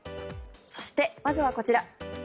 そして、まずはこちら。